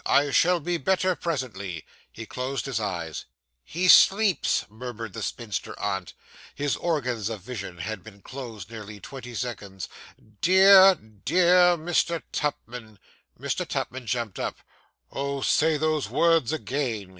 I shall be better presently.' He closed his eyes. 'He sleeps,' murmured the spinster aunt. (His organs of vision had been closed nearly twenty seconds.) 'Dear dear Mr. Tupman!' Mr. Tupman jumped up 'Oh, say those words again!